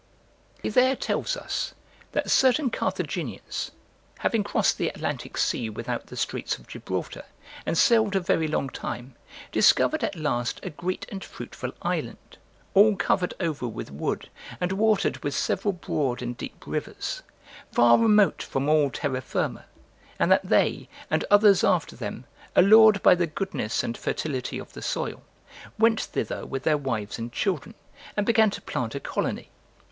]. He there tells us, that certain Carthaginians, having crossed the Atlantic Sea without the Straits of Gibraltar, and sailed a very long time, discovered at last a great and fruitful island, all covered over with wood, and watered with several broad and deep rivers, far remote from all terra firma; and that they, and others after them, allured by the goodness and fertility of the soil, went thither with their wives and children, and began to plant a colony.